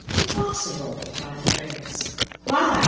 "Impossible!" cried the prince. "Why?